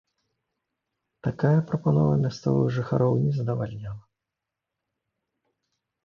Такая прапанова мясцовых жыхароў не задавальняла.